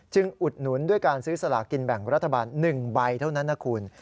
อุดหนุนด้วยการซื้อสลากินแบ่งรัฐบาล๑ใบเท่านั้นนะคุณ